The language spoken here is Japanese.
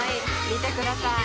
見てください